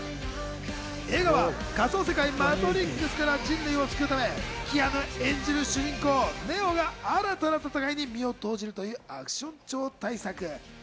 映画は仮装世界マトリックスから人類を救うため、キアヌ演じる主人公・ネオが新たな戦いに身を投じるというアクション超大作。